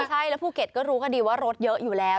ใช่แล้วภูเก็ตก็รู้กันดีว่ารถเยอะอยู่แล้ว